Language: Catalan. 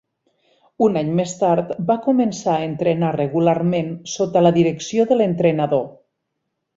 Un any més tard va començar a entrenar regularment sota la direcció de l'entrenador.